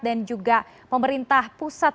dan juga pemerintah pusat